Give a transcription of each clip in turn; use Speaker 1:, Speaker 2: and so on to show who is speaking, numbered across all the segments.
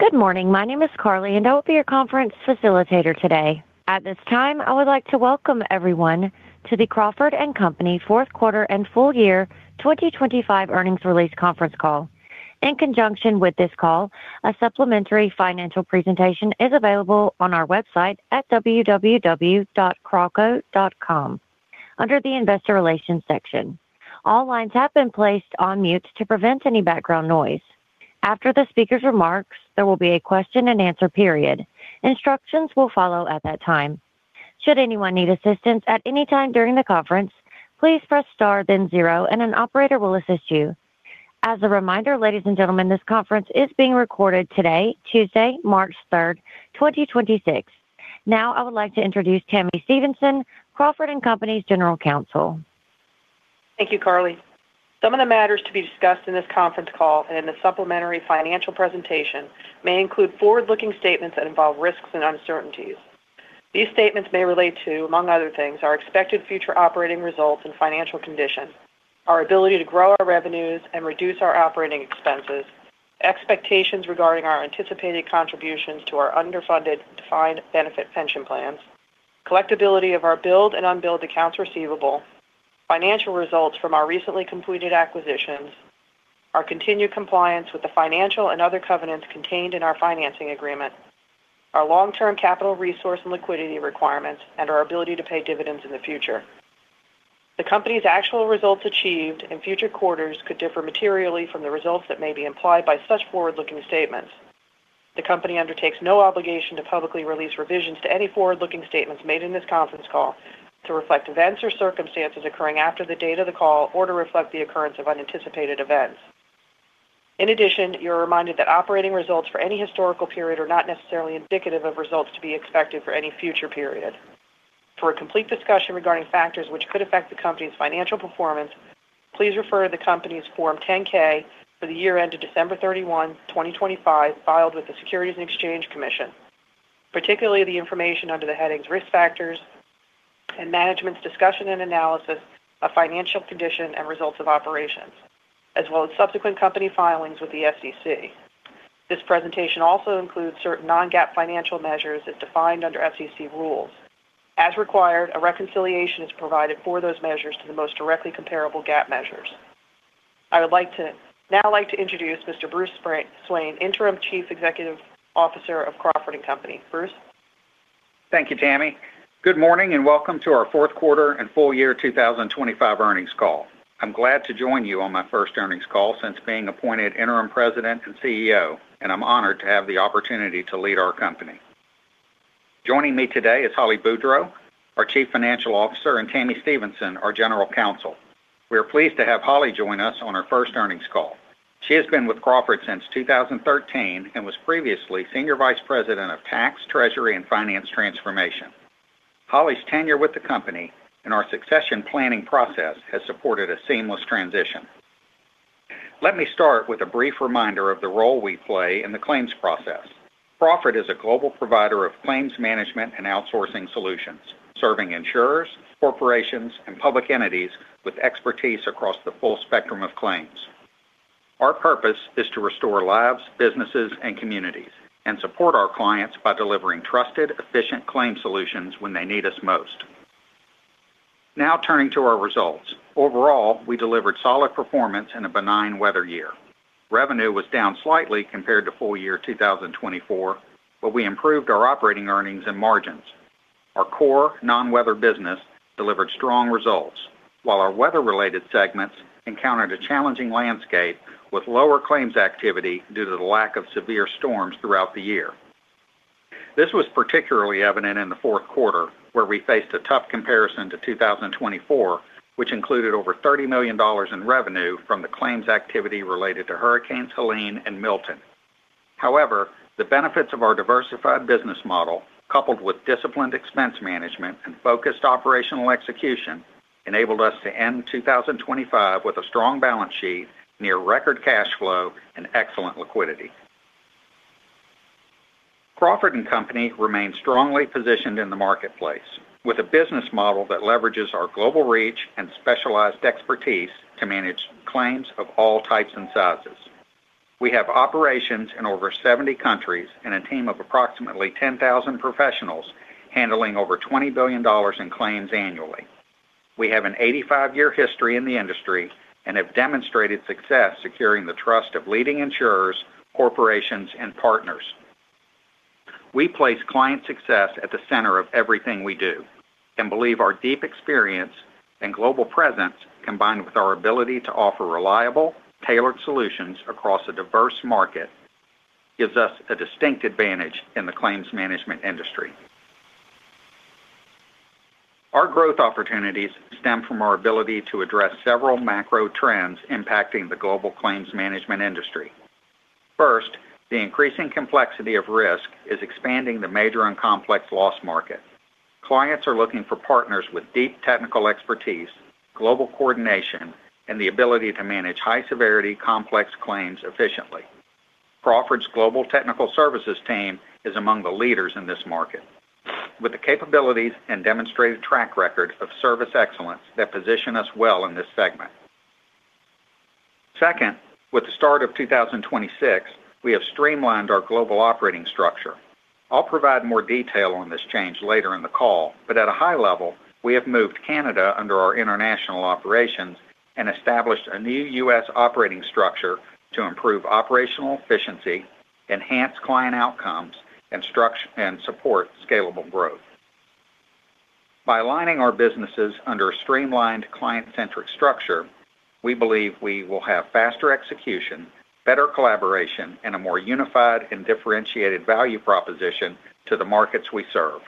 Speaker 1: Good morning. My name is Carly, I will be your conference `facilitator today. At this time, I would like to welcome everyone to the Crawford & Company fourth quarter and full year 2025 earnings release conference call. In conjunction with this call, a supplementary financial presentation is available on our website at www.crawco.com under the Investor Relations section. All lines have been placed on mute to prevent any background noise. After the speaker's remarks, there will be a question-and-answer period. Instructions will follow at that time. Should anyone need assistance at any time during the conference, please press star then zero, an operator will assist you. As a reminder, ladies and gentlemen, this conference is being recorded today, Tuesday, March 3rd, 2026. Now, I would like to introduce Tami Stevenson, Crawford & Company's General Counsel.
Speaker 2: Thank you, Carly. Some of the matters to be discussed in this conference call and in the supplementary financial presentation may include forward-looking statements that involve risks and uncertainties. These statements may relate to, among other things, our expected future operating results and financial condition, our ability to grow our revenues and reduce our operating expenses, expectations regarding our anticipated contributions to our underfunded defined benefit pension plans, collectibility of our billed and unbilled accounts receivable, financial results from our recently completed acquisitions, our continued compliance with the financial and other covenants contained in our financing agreement, our long-term capital resource and liquidity requirements, and our ability to pay dividends in the future. The company's actual results achieved in future quarters could differ materially from the results that may be implied by such forward-looking statements. The company undertakes no obligation to publicly release revisions to any forward-looking statements made in this conference call to reflect events or circumstances occurring after the date of the call or to reflect the occurrence of unanticipated events. In addition, you're reminded that operating results for any historical period are not necessarily indicative of results to be expected for any future period. For a complete discussion regarding factors which could affect the company's financial performance, please refer to the company's Form 10-K for the year ended December 31, 2025, filed with the Securities and Exchange Commission, particularly the information under the headings Risk Factors and Management's Discussion and Analysis of Financial Condition and Results of Operations, as well as subsequent company filings with the SEC. This presentation also includes certain non-GAAP financial measures as defined under SEC rules. As required, a reconciliation is provided for those measures to the most directly comparable GAAP measures. I would now like to introduce Mr. Bruce Swain, Interim Chief Executive Officer of Crawford & Company. Bruce?
Speaker 3: Thank you, Tammy. Good morning, and welcome to our fourth quarter and full year 2025 earnings call. I'm glad to join you on my first earnings call since being appointed Interim President and CEO, and I'm honored to have the opportunity to lead our company. Joining me today is Holly B. Boudreau, our Chief Financial Officer, and Tami Stevenson, our General Counsel. We are pleased to have Holly join us on her first earnings call. She has been with Crawford since 2013 and was previously Senior Vice President of Tax, Treasury, and Finance Transformation. Holly's tenure with the company and our succession planning process has supported a seamless transition. Let me start with a brief reminder of the role we play in the claims process. Crawford is a global provider of claims management and outsourcing solutions, serving insurers, corporations, and public entities with expertise across the full spectrum of claims. Our purpose is to restore lives, businesses, and communities and support our clients by delivering trusted, efficient claims solutions when they need us most. Turning to our results. Overall, we delivered solid performance in a benign weather year. Revenue was down slightly compared to full year 2024, we improved our operating earnings and margins. Our core non-weather business delivered strong results, while our weather-related segments encountered a challenging landscape with lower claims activity due to the lack of severe storms throughout the year. This was particularly evident in the fourth quarter, where we faced a tough comparison to 2024, which included over $30 million in revenue from the claims activity related to hurricanes Helene and Milton. However, the benefits of our diversified business model, coupled with disciplined expense management and focused operational execution, enabled us to end 2025 with a strong balance sheet, near record cash flow, and excellent liquidity. Crawford & Company remains strongly positioned in the marketplace with a business model that leverages our global reach and specialized expertise to manage claims of all types and sizes. We have operations in over 70 countries and a team of approximately 10,000 professionals handling over $20 billion in claims annually. We have an 85-year history in the industry and have demonstrated success securing the trust of leading insurers, corporations, and partners. We place client success at the center of everything we do and believe our deep experience and global presence, combined with our ability to offer reliable, tailored solutions across a diverse market, gives us a distinct advantage in the claims management industry. Our growth opportunities stem from our ability to address several macro trends impacting the global claims management industry. First, the increasing complexity of risk is expanding the major and complex loss market. Clients are looking for partners with deep technical expertise, global coordination, and the ability to manage high-severity, complex claims efficiently. Crawford's Global Technical Services team is among the leaders in this market with the capabilities and demonstrated track record of service excellence that position us well in this segment. Second, with the start of 2026, we have streamlined our global operating structure. I'll provide more detail on this change later in the call, but at a high level, we have moved Canada under our international operations and established a new U.S. operating structure to improve operational efficiency, enhance client outcomes, and support scalable growth. By aligning our businesses under a streamlined client-centric structure, we believe we will have faster execution, better collaboration, and a more unified and differentiated value proposition to the markets we serve.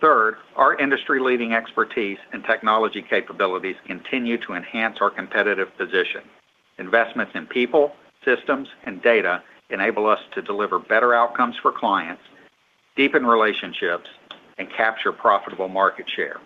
Speaker 3: Third, our industry-leading expertise and technology capabilities continue to enhance our competitive position. Investments in people, systems, and data enable us to deliver better outcomes for clients, deepen relationships, and capture profitable market share.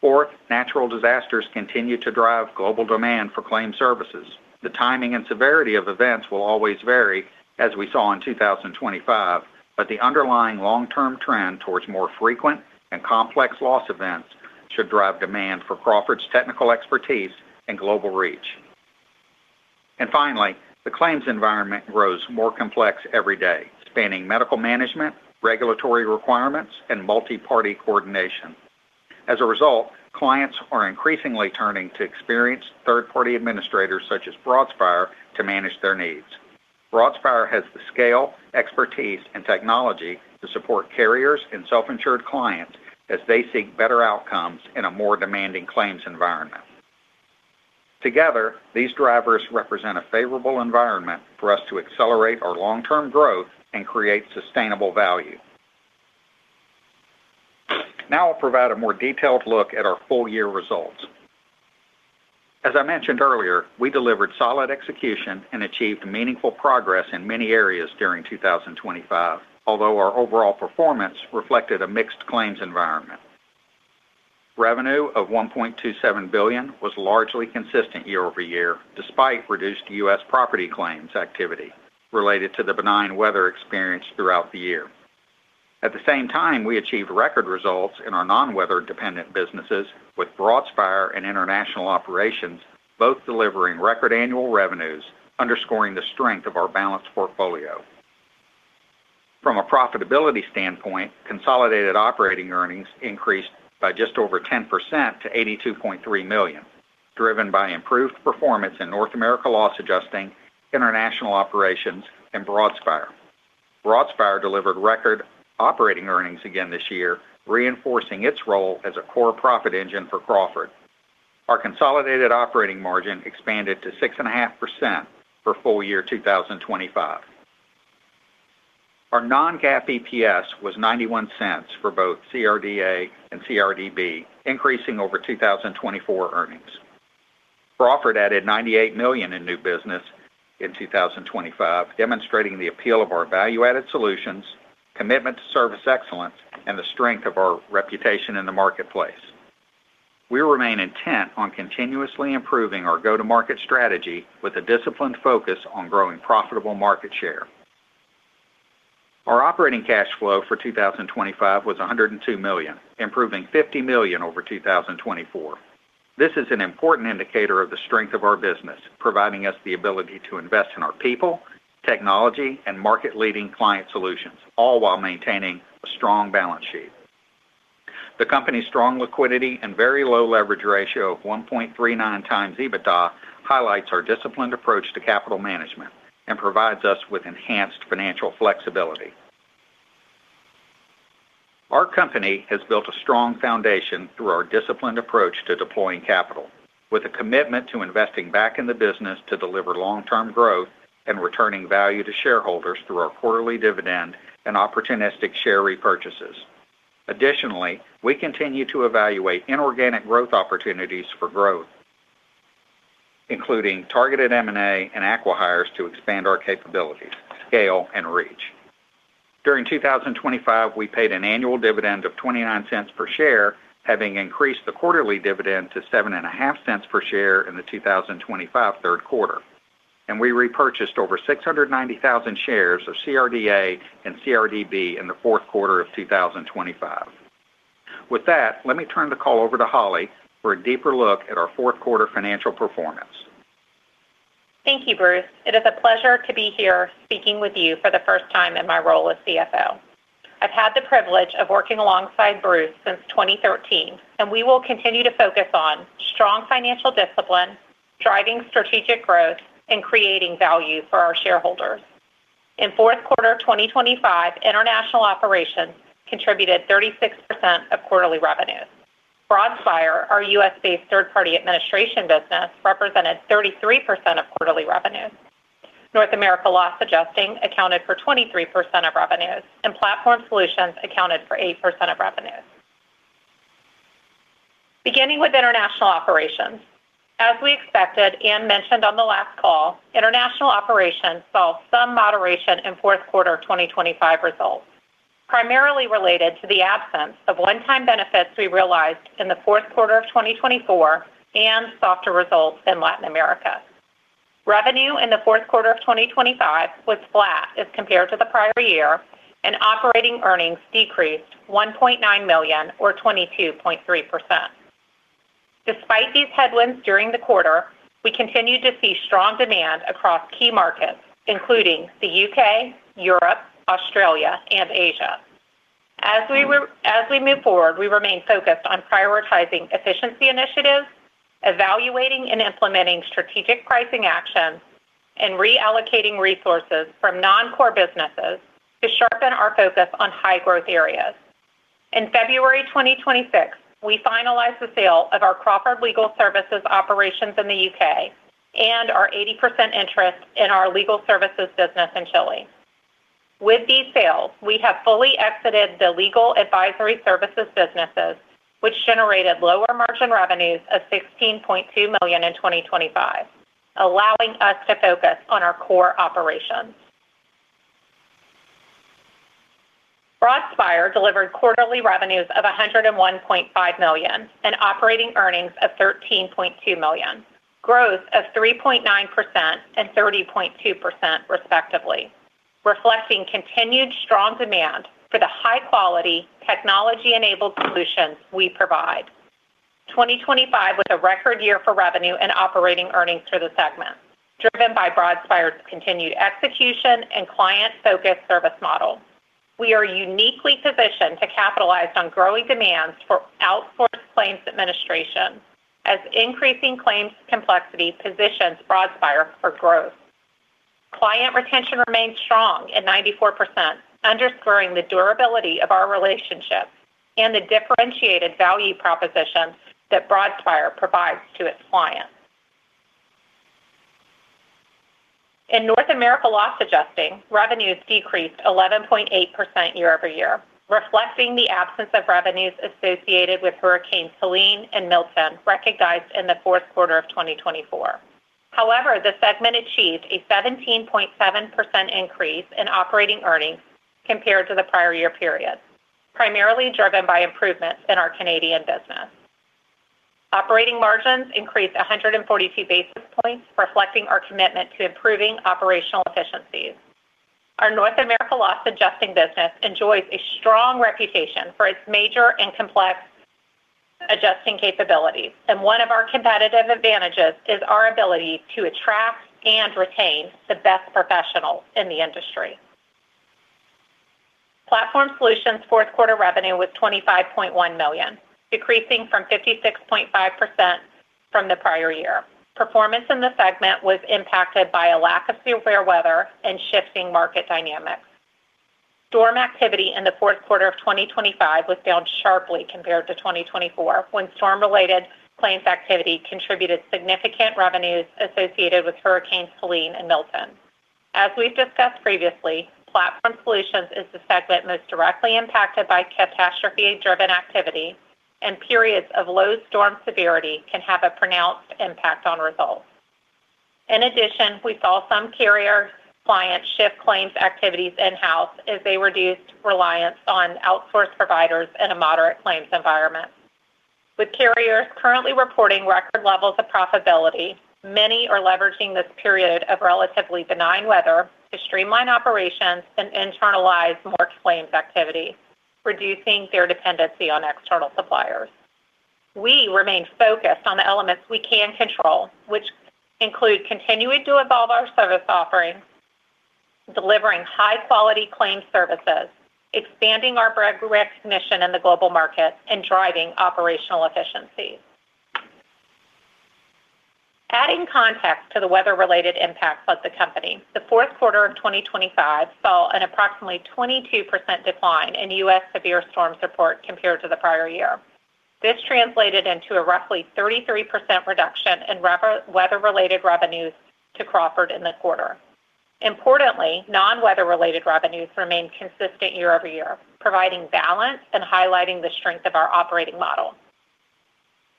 Speaker 3: Fourth, natural disasters continue to drive global demand for claims services. The timing and severity of events will always vary, as we saw in 2025, but the underlying long-term trend towards more frequent and complex loss events should drive demand for Crawford's technical expertise and global reach. Finally, the claims environment grows more complex every day, spanning medical management, regulatory requirements, and multi-party coordination. As a result, clients are increasingly turning to experienced third-party administrators such as Broadspire to manage their needs. Broadspire has the scale, expertise, and technology to support carriers and self-insured clients as they seek better outcomes in a more demanding claims environment. Together, these drivers represent a favorable environment for us to accelerate our long-term growth and create sustainable value. I'll provide a more detailed look at our full-year results. As I mentioned earlier, we delivered solid execution and achieved meaningful progress in many areas during 2025, although our overall performance reflected a mixed claims environment. Revenue of $1.27 billion was largely consistent year-over-year, despite reduced U.S. property claims activity related to the benign weather experienced throughout the year. At the same time, we achieved record results in our non-weather dependent businesses, with Broadspire and international operations both delivering record annual revenues, underscoring the strength of our balanced portfolio. From a profitability standpoint, consolidated operating earnings increased by just over 10% to $82.3 million, driven by improved performance in North America Loss Adjusting, international operations, and Broadspire. Broadspire delivered record operating earnings again this year, reinforcing its role as a core profit engine for Crawford. Our consolidated operating margin expanded to 6.5% for full year 2025. Our non-GAAP EPS was $0.91 for both CRDA and CRDB, increasing over 2024 earnings. Crawford added $98 million in new business in 2025, demonstrating the appeal of our value-added solutions, commitment to service excellence, and the strength of our reputation in the marketplace. We remain intent on continuously improving our go-to-market strategy with a disciplined focus on growing profitable market share. Our operating cash flow for 2025 was $102 million, improving $50 million over 2024. This is an important indicator of the strength of our business, providing us the ability to invest in our people, technology, and market-leading client solutions, all while maintaining a strong balance sheet. The company's strong liquidity and very low leverage ratio of 1.39 times EBITDA highlights our disciplined approach to capital management and provides us with enhanced financial flexibility. Our company has built a strong foundation through our disciplined approach to deploying capital with a commitment to investing back in the business to deliver long-term growth and returning value to shareholders through our quarterly dividend and opportunistic share repurchases. We continue to evaluate inorganic growth opportunities for growth, including targeted M&A and acquihires to expand our capabilities, scale, and reach. During 2025, we paid an annual dividend of $0.29 per share, having increased the quarterly dividend to $0.075 per share in the 2025 third quarter, and we repurchased over 690,000 shares of CRDA and CRDB in the fourth quarter of 2025. With that, let me turn the call over to Holly for a deeper look at our fourth quarter financial performance.
Speaker 4: Thank you, Bruce. It is a pleasure to be here speaking with you for the first time in my role as CFO. I've had the privilege of working alongside Bruce since 2013, and we will continue to focus on strong financial discipline, driving strategic growth, and creating value for our shareholders. In fourth quarter of 2025, international operations contributed 36% of quarterly revenues. Broadspire, our U.S.-based third-party administration business, represented 33% of quarterly revenues. North America Loss Adjusting accounted for 23% of revenues, and Platform Solutions accounted for 8% of revenues. Beginning with international operations, as we expected and mentioned on the last call, international operations saw some moderation in fourth quarter of 2025 results, primarily related to the absence of one-time benefits we realized in the fourth quarter of 2024 and softer results in Latin America. Revenue in the fourth quarter of 2025 was flat as compared to the prior year. Operating earnings decreased $1.9 million or 22.3%. Despite these headwinds during the quarter, we continued to see strong demand across key markets, including the U.K., Europe, Australia and Asia. We move forward, we remain focused on prioritizing efficiency initiatives, evaluating and implementing strategic pricing actions, and reallocating resources from non-core businesses to sharpen our focus on high growth areas. In February 2026, we finalized the sale of our Crawford Legal Services operations in the U.K. and our 80% interest in our legal services business in Chile. With these sales, we have fully exited the legal advisory services businesses, which generated lower margin revenues of $16.2 million in 2025, allowing us to focus on our core operations. Broadspire delivered quarterly revenues of $101.5 million and operating earnings of $13.2 million, growth of 3.9% and 30.2% respectively, reflecting continued strong demand for the high quality technology-enabled solutions we provide. 2025 was a record year for revenue and operating earnings for the segment, driven by Broadspire's continued execution and client-focused service model. We are uniquely positioned to capitalize on growing demands for outsourced claims administration as increasing claims complexity positions Broadspire for growth. Client retention remains strong at 94%, underscoring the durability of our relationships and the differentiated value proposition that Broadspire provides to its clients. In North America Loss Adjusting, revenues decreased 11.8% year-over-year, reflecting the absence of revenues associated with Hurricane Helene and Hurricane Milton recognized in the fourth quarter of 2024. However, the segment achieved a 17.7% increase in operating earnings compared to the prior year period, primarily driven by improvements in our Canadian business. Operating margins increased 142 basis points, reflecting our commitment to improving operational efficiencies. Our North America Loss Adjusting business enjoys a strong reputation for its major and complex adjusting capabilities, and one of our competitive advantages is our ability to attract and retain the best professionals in the industry. Platform Solutions' fourth quarter revenue was $25.1 million, decreasing from 56.5% from the prior year. Performance in the segment was impacted by a lack of severe weather and shifting market dynamics. Storm activity in the fourth quarter of 2025 was down sharply compared to 2024, when storm-related claims activity contributed significant revenues associated with Hurricane Helene and Hurricane Milton. As we've discussed previously, Platform Solutions is the segment most directly impacted by catastrophe-driven activity, periods of low storm severity can have a pronounced impact on results. In addition, we saw some carrier clients shift claims activities in-house as they reduced reliance on outsourced providers in a moderate claims environment. With carriers currently reporting record levels of profitability, many are leveraging this period of relatively benign weather to streamline operations and internalize more claims activity, reducing their dependency on external suppliers. We remain focused on the elements we can control, which include continuing to evolve our service offerings, delivering high-quality claims services, expanding our brand recognition in the global market, and driving operational efficiency. Adding context to the weather-related impacts of the company, the fourth quarter of 2025 saw an approximately 22% decline in U.S. severe storm support compared to the prior year. This translated into a roughly 33% reduction in weather-related revenues to Crawford in the quarter. Importantly, non-weather-related revenues remained consistent year-over-year, providing balance and highlighting the strength of our operating model.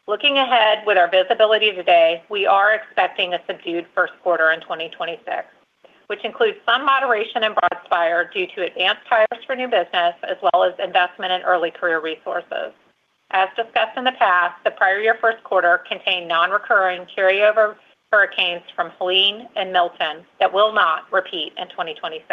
Speaker 4: Looking ahead with our visibility today, we are expecting a subdued first quarter in 2026, which includes some moderation in Broadspire due to advanced hires for new business as well as investment in early career resources. As discussed in the past, the prior year first quarter contained non-recurring carryover hurricanes from Helene and Milton that will not repeat in 2026.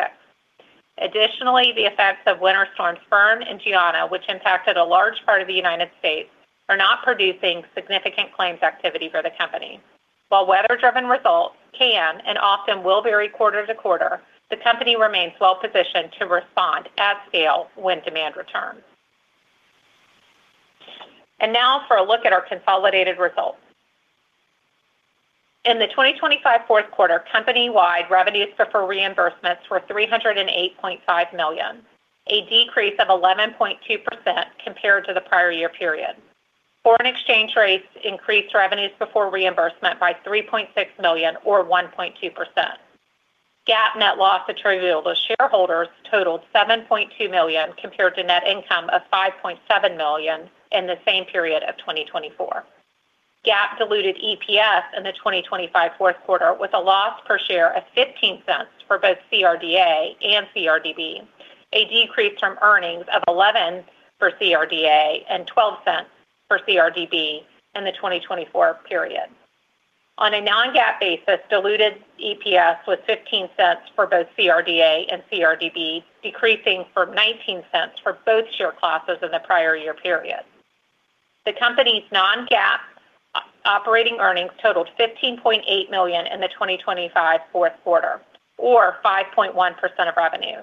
Speaker 4: Additionally, the effects of Winter Storm Fern and Gianna, which impacted a large part of the United States, are not producing significant claims activity for the company. While weather-driven results can and often will vary quarter to quarter, the company remains well positioned to respond at scale when demand returns. Now for a look at our consolidated results. In the 2025 fourth quarter, company-wide revenues for reimbursements were $308.5 million, a decrease of 11.2% compared to the prior year period. Foreign exchange rates increased revenues before reimbursement by $3.6 million or 1.2%. GAAP net loss attributable to shareholders totaled $7.2 million, compared to net income of $5.7 million in the same period of 2024. GAAP diluted EPS in the 2025 fourth quarter was a loss per share of $0.15 for both CRDA and CRDB, a decrease from earnings of $0.11 for CRDA and $0.12 for CRDB in the 2024 period. On a non-GAAP basis, diluted EPS was $0.15 for both CRDA and CRDB, decreasing from $0.19 for both share classes in the prior year period. The company's non-GAAP operating earnings totaled $15.8 million in the 2025 fourth quarter or 5.1% of revenue,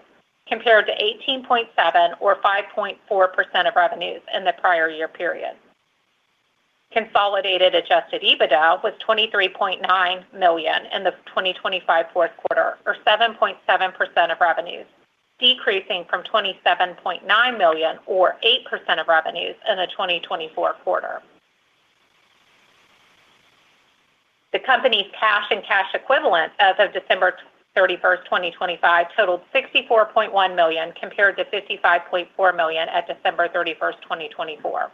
Speaker 4: compared to $18.7 million or 5.4% of revenues in the prior year period. Consolidated Adjusted EBITDA was $23.9 million in the 2025 fourth quarter or 7.7% of revenues, decreasing from $27.9 million or 8% of revenues in the 2024 quarter. The company's cash and cash equivalents as of December 31st, 2025 totaled $64.1 million compared to $55.4 million at December 31st, 2024.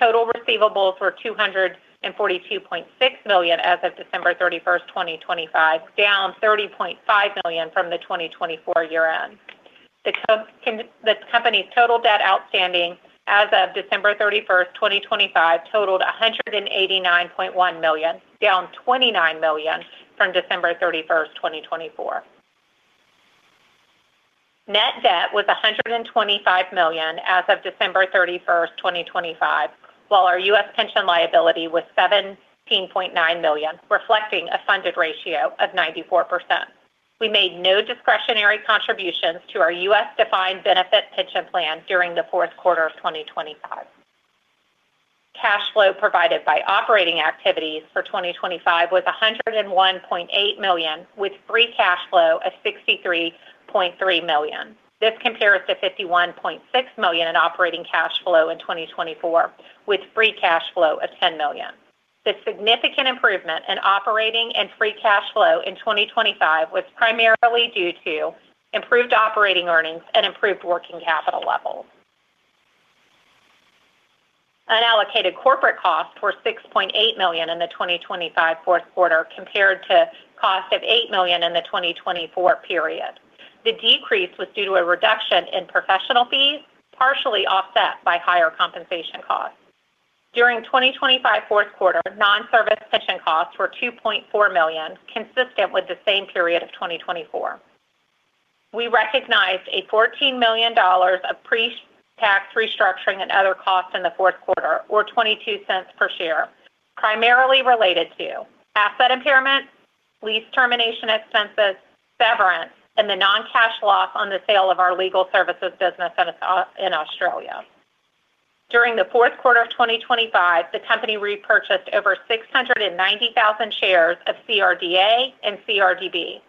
Speaker 4: Total receivables were $242.6 million as of December 31st, 2025, down $30.5 million from the 2024 year-end. The company's total debt outstanding as of December 31st, 2025 totaled $189.1 million, down $29 million from December 31st, 2024. Net debt was $125 million as of December 31st, 2025, while our U.S. pension liability was $17.9 million, reflecting a funded ratio of 94%. We made no discretionary contributions to our U.S. defined benefit pension plan during the Q4 of 2025. Cash flow provided by operating activities for 2025 was $101.8 million, with free cash flow of $63.3 million. This compares to $51.6 million in operating cash flow in 2024, with free cash flow of $10 million. The significant improvement in operating and free cash flow in 2025 was primarily due to improved operating earnings and improved working capital levels. Unallocated corporate costs were $6.8 million in the 2025 Q4 compared to costs of $8 million in the 2024 period. The decrease was due to a reduction in professional fees, partially offset by higher compensation costs. During 2025 fourth quarter, non-service pension costs were $2.4 million, consistent with the same period of 2024. We recognized a $14 million of pre-tax restructuring and other costs in the fourth quarter, or $0.22 per share, primarily related to asset impairment, lease termination expenses, severance, and the non-cash loss on the sale of our legal services business in Australia. During the fourth quarter of 2025, the company repurchased over 690,000 shares of CRDA and CRDB.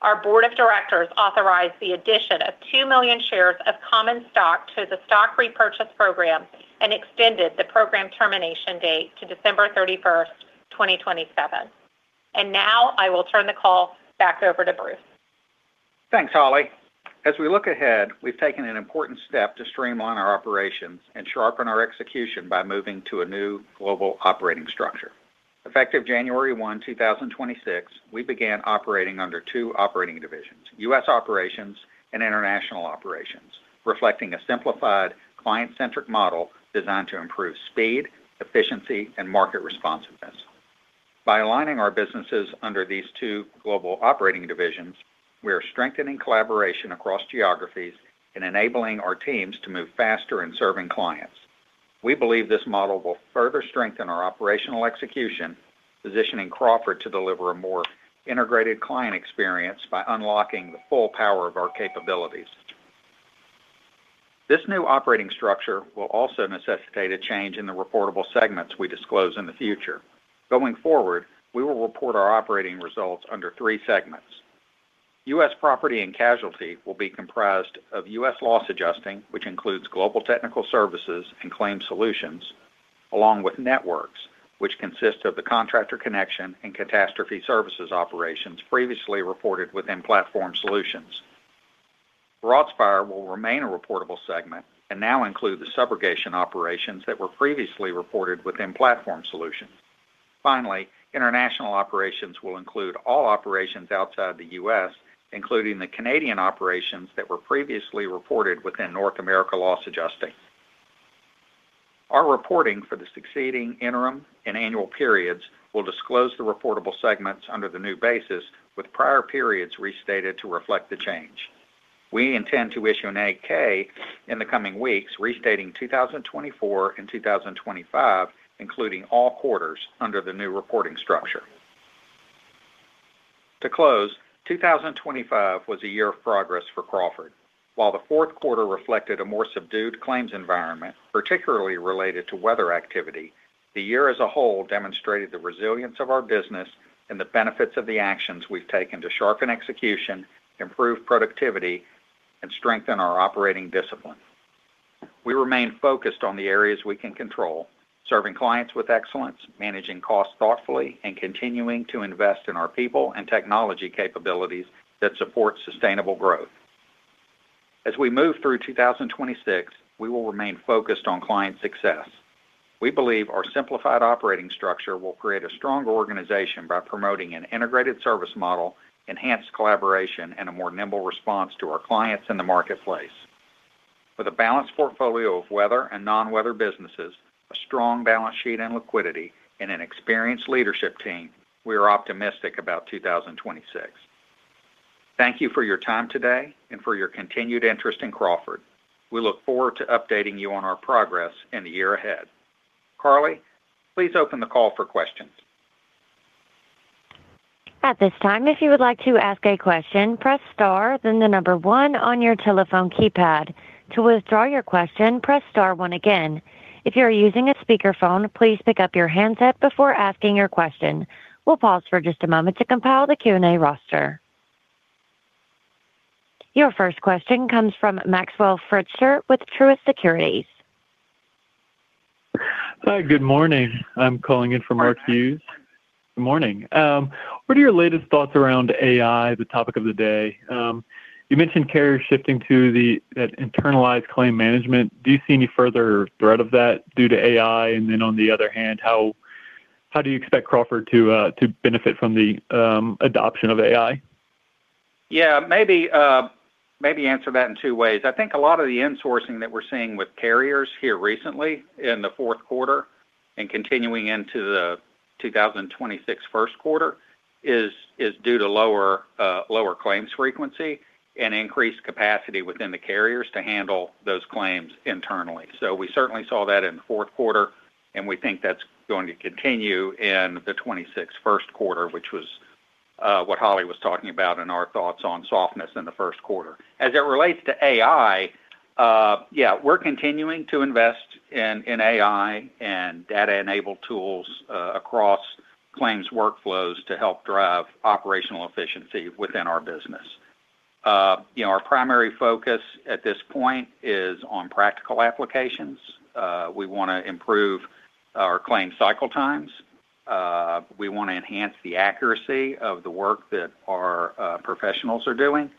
Speaker 4: Our board of directors authorized the addition of 2 million shares of common stock to the stock repurchase program and extended the program termination date to December 31st, 2027. Now I will turn the call back over to Bruce.
Speaker 3: Thanks, Holly. As we look ahead, we've taken an important step to streamline our operations and sharpen our execution by moving to a new global operating structure. Effective January 1, 2026, we began operating under two operating divisions, U.S. operations and international operations, reflecting a simplified client-centric model designed to improve speed, efficiency, and market responsiveness. By aligning our businesses under these two global operating divisions, we are strengthening collaboration across geographies and enabling our teams to move faster in serving clients. We believe this model will further strengthen our operational execution, positioning Crawford to deliver a more integrated client experience by unlocking the full power of our capabilities. This new operating structure will also necessitate a change in the reportable segments we disclose in the future. Going forward, we will report our operating results under three segments. U.S. Property & Casualty will be comprised of U.S. Loss Adjusting, which includes Global Technical Services and Claim Solutions, along with networks, which consist of the Contractor Connection and catastrophe services operations previously reported within Platform Solutions. Broadspire will remain a reportable segment and now include the subrogation operations that were previously reported within Platform Solutions. International operations will include all operations outside the U.S., including the Canadian operations that were previously reported within North America Loss Adjusting. Our reporting for the succeeding interim and annual periods will disclose the reportable segments under the new basis, with prior periods restated to reflect the change. We intend to issue an 8-K in the coming weeks, restating 2024 and 2025, including all quarters under the new reporting structure. To close, 2025 was a year of progress for Crawford. While the fourth quarter reflected a more subdued claims environment, particularly related to weather activity, the year as a whole demonstrated the resilience of our business and the benefits of the actions we've taken to sharpen execution, improve productivity, and strengthen our operating discipline. We remain focused on the areas we can control, serving clients with excellence, managing costs thoughtfully, and continuing to invest in our people and technology capabilities that support sustainable growth. As we move through 2026, we will remain focused on client success. We believe our simplified operating structure will create a stronger organization by promoting an integrated service model, enhanced collaboration, and a more nimble response to our clients in the marketplace. With a balanced portfolio of weather and non-weather businesses, a strong balance sheet and liquidity, and an experienced leadership team, we are optimistic about 2026. Thank you for your time today and for your continued interest in Crawford. We look forward to updating you on our progress in the year ahead. Carly, please open the call for questions.
Speaker 1: At this time, if you would like to ask a question, press Star, then the one on your telephone keypad. To withdraw your question, press Star one again. If you are using a speakerphone, please pick up your handset before asking your question. We'll pause for just a moment to compile the Q&A roster. Your first question comes from Maxwell Fritscher with Truist Securities.
Speaker 5: Hi. Good morning. I'm calling in for Mark Hughes. Good morning. What are your latest thoughts around AI, the topic of the day? You mentioned carrier shifting to that internalized claim management. Do you see any further threat of that due to AI? On the other hand, how do you expect Crawford to benefit from the adoption of AI?
Speaker 3: Yeah, maybe answer that in two ways. I think a lot of the insourcing that we're seeing with carriers here recently in the fourth quarter and continuing into the 2026 first quarter is due to lower claims frequency and increased capacity within the carriers to handle those claims internally. We certainly saw that in the fourth quarter, and we think that's going to continue in the 2026 first quarter, which was what Holly was talking about in our thoughts on softness in the first quarter. As it relates to AI, yeah, we're continuing to invest in AI and data-enabled tools across claims workflows to help drive operational efficiency within our business. You know, our primary focus at this point is on practical applications. We want to improve our claim cycle times. We want to enhance the accuracy of the work that our professionals are doing.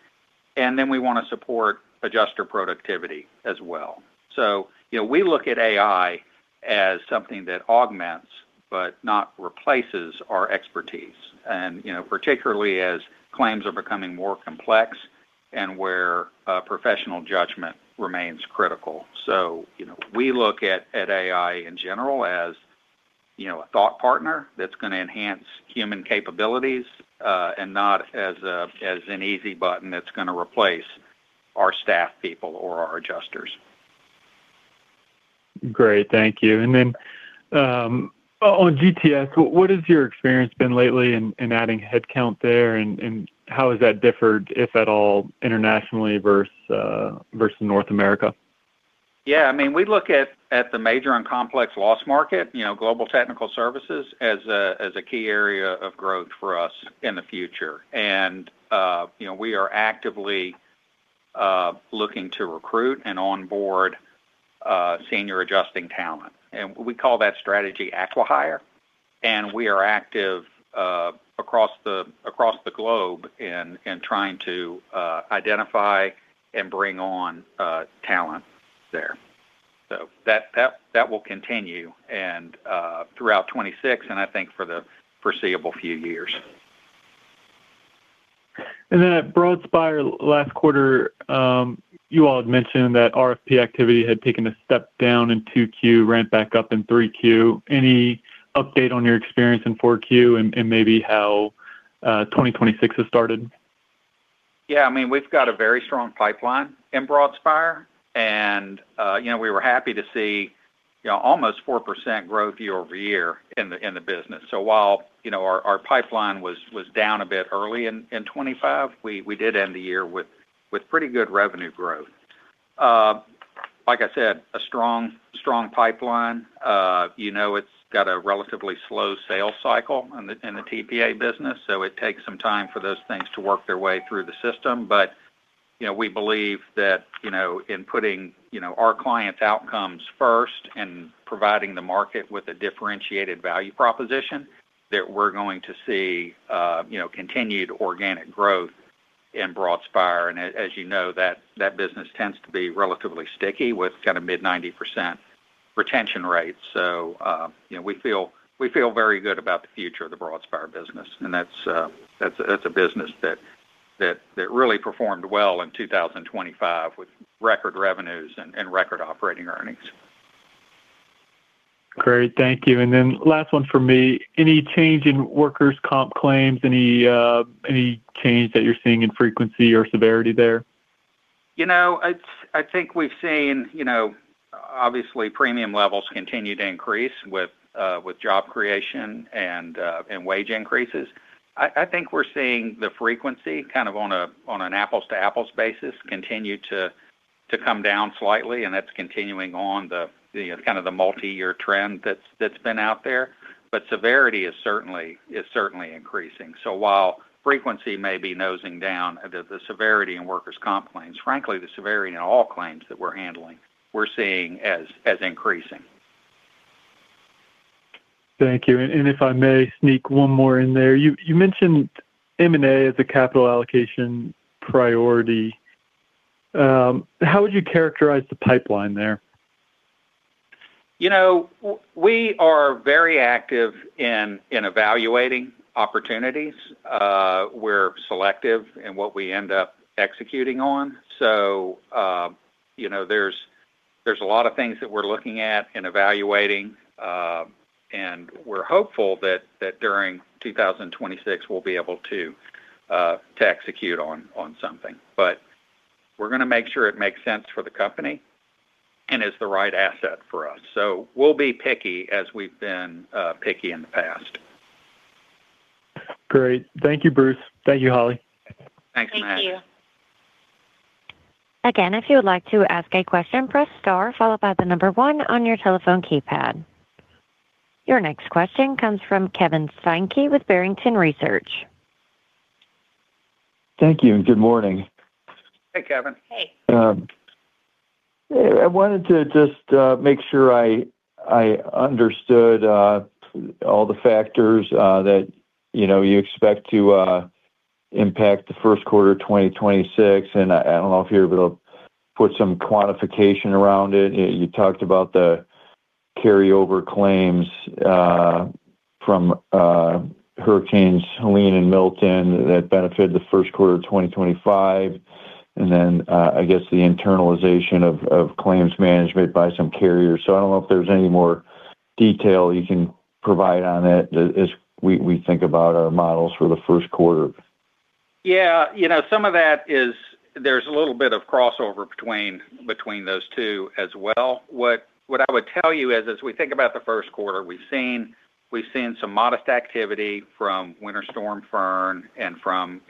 Speaker 3: We want to support adjuster productivity as well. You know, we look at AI as something that augments but not replaces our expertise, and, you know, particularly as claims are becoming more complex and where professional judgment remains critical. You know, we look at AI in general as, you know, a thought partner that's going to enhance human capabilities and not as an easy button that's going to replace our staff people or our adjusters.
Speaker 5: Great. Thank you. On GTS, what has your experience been lately in adding headcount there and how has that differed, if at all, internationally versus North America?
Speaker 3: Yeah, I mean, we look at the major and complex loss market, you know, Global Technical Services as a key area of growth for us in the future. We are actively looking to recruit and onboard senior adjusting talent. We call that strategy Acquihire. We are active across the globe in trying to identify and bring on talent there. That will continue throughout 2026, and I think for the foreseeable few years.
Speaker 5: At Broadspire last quarter, you all had mentioned that RFP activity had taken a step down in 2Q, ran back up in 3Q. Any update on your experience in 4Q and maybe how 2026 has started?
Speaker 3: Yeah, I mean, we've got a very strong pipeline in Broadspire, and, you know, we were happy to see, you know, almost 4% growth year-over-year in the business. While, you know, our pipeline was down a bit early in 2025, we did end the year with pretty good revenue growth. Like I said, a strong pipeline. You know, it's got a relatively slow sales cycle in the TPA business, so it takes some time for those things to work their way through the system. You know, we believe that, you know, in putting, you know, our clients' outcomes first and providing the market with a differentiated value proposition that we're going to see, you know, continued organic growth in Broadspire. As you know, that business tends to be relatively sticky with kind of mid-90% retention rates. you know, we feel very good about the future of the Broadspire business, and that's a business that really performed well in 2025 with record revenues and record operating earnings.
Speaker 5: Great. Thank you. Last one for me. Any change in workers' comp claims? Any change that you're seeing in frequency or severity there?
Speaker 3: You know, I think we've seen, you know, obviously premium levels continue to increase with job creation and wage increases. I think we're seeing the frequency kind of on an apples-to-apples basis continue to come down slightly, and that's continuing on the kind of the multi-year trend that's been out there. Severity is certainly increasing. While frequency may be nosing down, the severity in workers' comp claims, frankly, the severity in all claims that we're handling, we're seeing as increasing.
Speaker 5: Thank you. If I may sneak one more in there. You mentioned M&A as a capital allocation priority. How would you characterize the pipeline there?
Speaker 3: You know, we are very active in evaluating opportunities. We're selective in what we end up executing on. You know, there's a lot of things that we're looking at and evaluating, and we're hopeful that during 2026 we'll be able to execute on something. We're gonna make sure it makes sense for the company and is the right asset for us. We'll be picky as we've been picky in the past.
Speaker 5: Great. Thank you, Bruce. Thank you, Holly.
Speaker 3: Thanks, Max.
Speaker 4: Thank you.
Speaker 1: Again, if you would like to ask a question, press star followed by the number one on your telephone keypad. Your next question comes from Kevin Steinke with Barrington Research.
Speaker 6: Thank you, and good morning.
Speaker 3: Hey, Kevin.
Speaker 4: Hey.
Speaker 6: I wanted to just make sure I understood all the factors that, you know, you expect to impact the first quarter of 2026, and I don't know if you're able to put some quantification around it. You talked about the carryover claims from Hurricane Helene and Hurricane Milton that benefited the first quarter of 2025, and then I guess the internalization of claims management by some carriers. I don't know if there's any more detail you can provide on it as we think about our models for the first quarter.
Speaker 3: You know, some of that is there's a little bit of crossover between those two as well. What I would tell you is as we think about the first quarter, we've seen some modest activity from Winter Storm Fern and from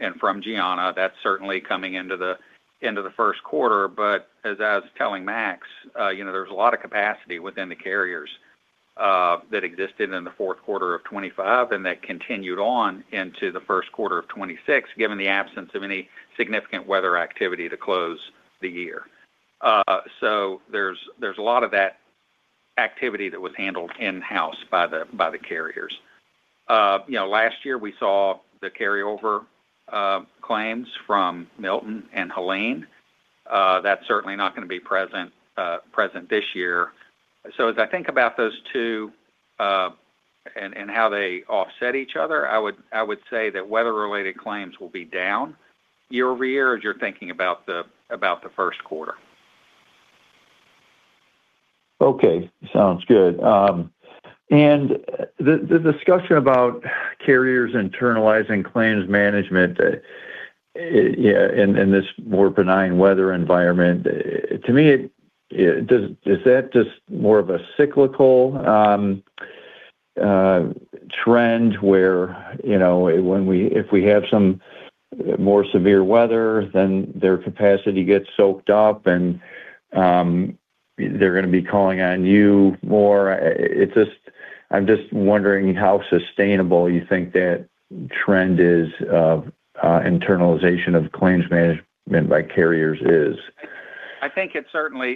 Speaker 3: Gianna. That's certainly coming into the first quarter. As I was telling Max, you know, there's a lot of capacity within the carriers that existed in the fourth quarter of 2025 and that continued on into the first quarter of 2026, given the absence of any significant weather activity to close the year. There's a lot of that activity that was handled in-house by the carriers. You know, last year we saw the carryover claims from Milton and Helene. That's certainly not gonna be present this year. As I think about those two, and how they offset each other, I would say that weather-related claims will be down year-over-year as you're thinking about the first quarter.
Speaker 6: Okay. Sounds good. The discussion about carriers internalizing claims management in this more benign weather environment, to me, does that just more of a cyclical trend where, you know, if we have some more severe weather, then their capacity gets soaked up and, they're gonna be calling on you more? I'm just wondering how sustainable you think that trend is of internalization of claims management by carriers is.
Speaker 3: I think it certainly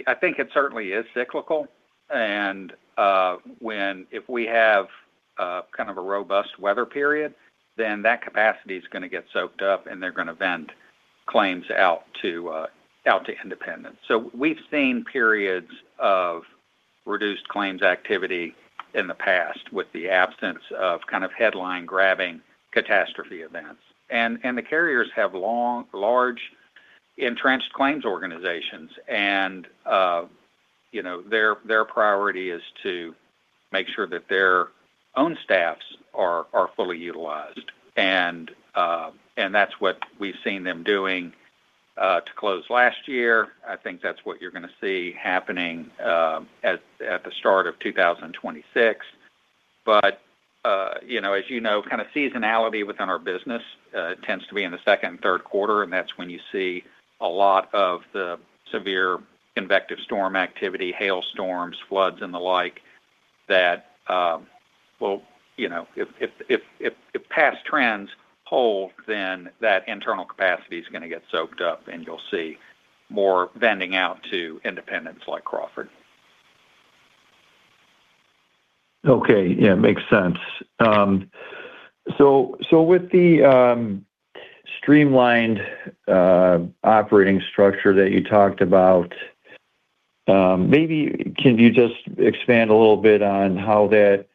Speaker 3: is cyclical. If we have, kind of a robust weather period, then that capacity is gonna get soaked up, and they're gonna vent claims out to independents. We've seen periods of reduced claims activity in the past with the absence of kind of headline-grabbing catastrophe events. The carriers have long, large entrenched claims organizations and, you know, their priority is to make sure that their own staffs are fully utilized, and that's what we've seen them doing to close last year. I think that's what you're gonna see happening at the start of 2026. You know, as you know, kind of seasonality within our business tends to be in the second and third quarter, and that's when you see a lot of the severe convective storm activity, hail storms, floods and the like that. Well, you know, if past trends hold, then that internal capacity is gonna get soaked up, and you'll see more vending out to independents like Crawford.
Speaker 6: Okay. Yeah, makes sense. With the streamlined operating structure that you talked about, maybe can you just expand a little bit on how that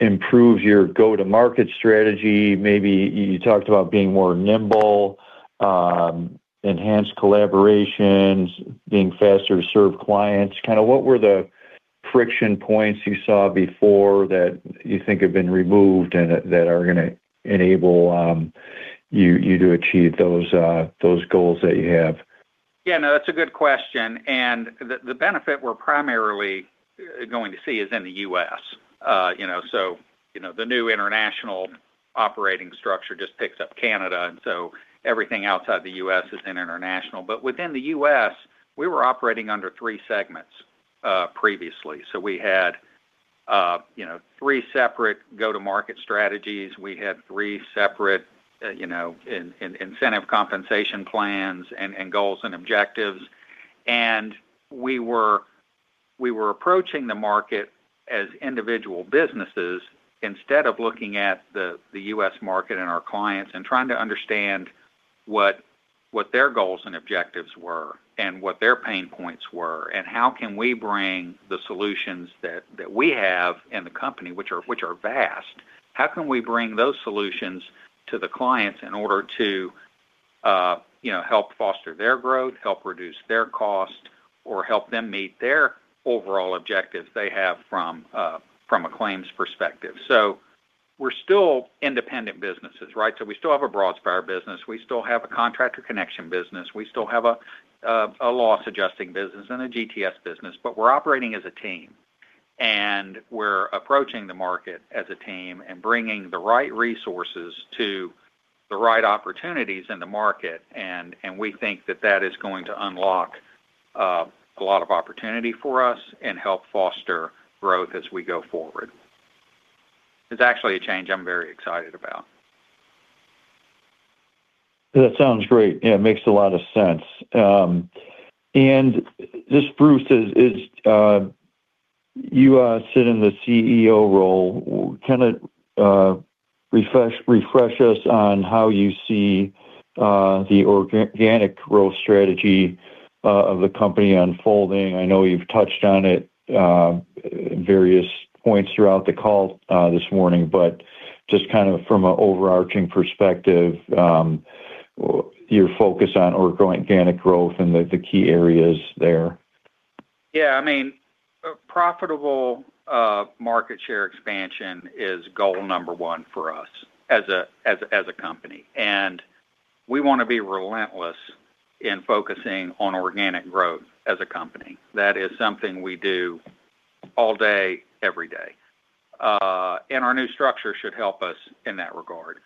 Speaker 6: improves your go-to-market strategy? Maybe you talked about being more nimble, enhanced collaborations, being faster to serve clients. Kinda, what were the friction points you saw before that you think have been removed and that are gonna enable you to achieve those goals that you have?
Speaker 3: Yeah, no, that's a good question. The benefit we're primarily going to see is in the U.S. You know, you know, the new international operating structure just picks up Canada, everything outside the U.S. is in international. Within the U.S., we were operating under three segments previously. We had, you know, three separate go-to-market strategies. We had three separate, you know, incentive compensation plans and goals and objectives. We were approaching the market as individual businesses instead of looking at the U.S. market and our clients and trying to understand what their goals and objectives were and what their pain points were, and how can we bring the solutions that we have in the company, which are vast, how can we bring those solutions to the clients in order to, you know, help foster their growth, help reduce their cost, or help them meet their overall objectives they have from a claims perspective. We're still independent businesses, right? We still have a Broadspire business. We still have a Contractor Connection business. We still have a loss adjusting business and a GTS business. We're operating as a team, and we're approaching the market as a team and bringing the right resources to the right opportunities in the market. We think that that is going to unlock a lot of opportunity for us and help foster growth as we go forward. It's actually a change I'm very excited about.
Speaker 6: That sounds great. It makes a lot of sense. Just Bruce is you sit in the CEO role. Kinda refresh us on how you see the organic growth strategy of the company unfolding. I know you've touched on it in various points throughout the call this morning, but just kind of from an overarching perspective, your focus on organic growth and the key areas there.
Speaker 3: Yeah. I mean, profitable market share expansion is goal number one for us as a company. We wanna be relentless in focusing on organic growth as a company. That is something we do all day, every day. Our new structure should help us in that regard.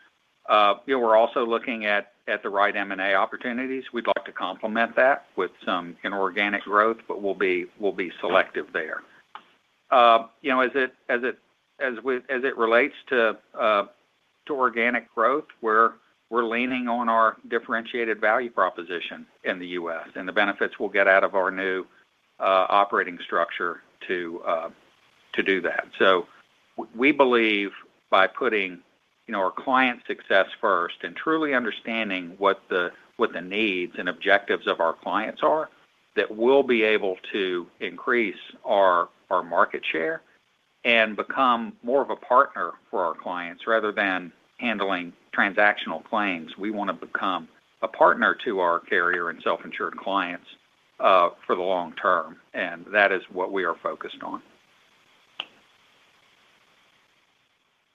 Speaker 3: You know, we're also looking at the right M&A opportunities. We'd like to complement that with some inorganic growth, but we'll be selective there. You know, as it relates to organic growth, we're leaning on our differentiated value proposition in the U.S. and the benefits we'll get out of our new operating structure to do that. We believe by putting, you know, our client success first and truly understanding what the needs and objectives of our clients are, that we'll be able to increase our market share and become more of a partner for our clients rather than handling transactional claims. We wanna become a partner to our carrier and self-insured clients for the long term, and that is what we are focused on.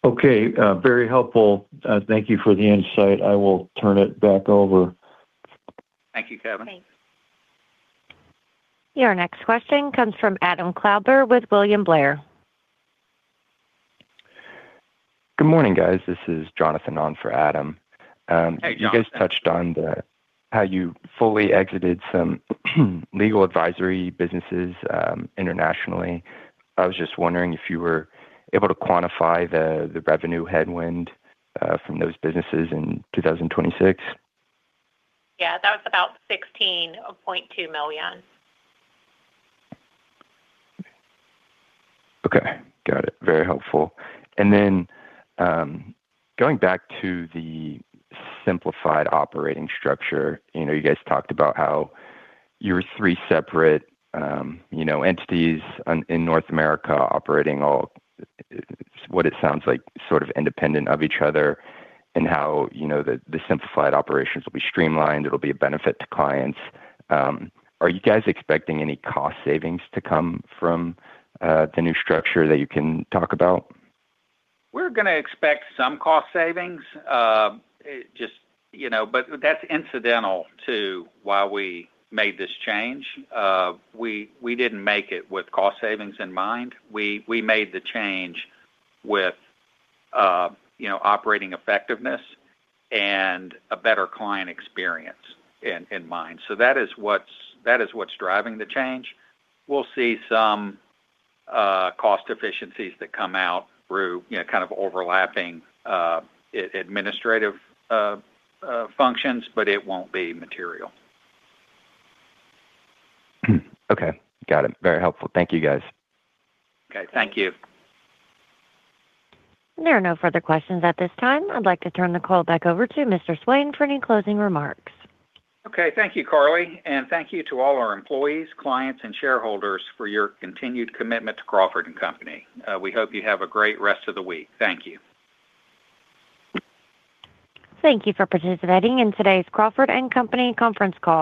Speaker 6: Okay. very helpful. thank you for the insight. I will turn it back over.
Speaker 3: Thank you, Kevin.
Speaker 4: Thanks.
Speaker 1: Your next question comes from Adam Klauber with William Blair.
Speaker 7: Good morning, guys. This is Jonathan on for Adam.
Speaker 3: Hey, Jonathan.
Speaker 7: You guys touched on how you fully exited some legal advisory businesses, internationally. I was just wondering if you were able to quantify the revenue headwind from those businesses in 2026?
Speaker 4: Yeah, that was about $16.2 million.
Speaker 7: Okay. Got it. Very helpful. Going back to the simplified operating structure, you know, you guys talked about how your three separate, you know, entities in North America operating all, what it sounds like, sort of independent of each other and how, you know, the simplified operations will be streamlined. It'll be a benefit to clients. Are you guys expecting any cost savings to come from the new structure that you can talk about?
Speaker 3: We're gonna expect some cost savings. You know, that's incidental to why we made this change. We didn't make it with cost savings in mind. We made the change with, you know, operating effectiveness and a better client experience in mind. That is what's driving the change. We'll see some cost efficiencies that come out through, you know, kind of overlapping administrative functions, but it won't be material.
Speaker 7: Okay. Got it. Very helpful. Thank you, guys.
Speaker 3: Okay. Thank you.
Speaker 1: There are no further questions at this time. I'd like to turn the call back over to Mr. Swain for any closing remarks.
Speaker 3: Okay. Thank you, Carly. Thank you to all our employees, clients, and shareholders for your continued commitment to Crawford & Company. We hope you have a great rest of the week. Thank you.
Speaker 1: Thank you for participating in today's Crawford & Company conference call.